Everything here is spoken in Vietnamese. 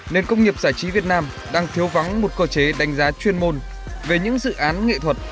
nên công nghiệp giải trí việt nam đang thiếu vắng một cơ chế đánh giá chuyên môn về những dự án nghệ thuật